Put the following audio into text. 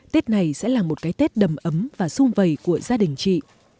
tết này sẽ là một cái tết đầm ấm và sung vầy của gia đình chị